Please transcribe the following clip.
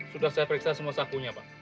sudah saya periksa semua sakunya pak